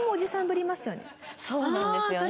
そうなんですよね。